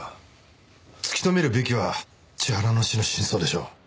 突き止めるべきは千原の死の真相でしょう。